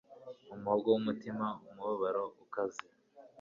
Mu muhogo wumutima umubabaro ukaze